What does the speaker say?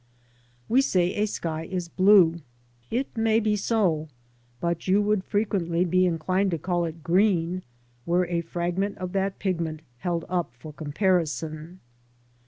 We say a sky is blue. It may be so, but you would frequently be inclined to call it green were a fragment of that pigment held up for comparison.